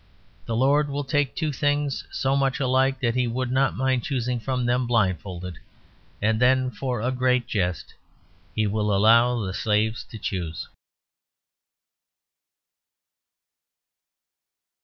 The lord will take two things so much alike that he would not mind choosing from them blindfold and then for a great jest he will allow the slaves to choose.